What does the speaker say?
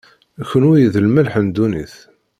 kenwi, d lmelḥ n ddunit.